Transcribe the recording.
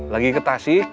lagi ke tasik